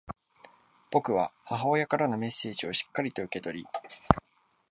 僕は母親からのメッセージをしっかりと受け取り、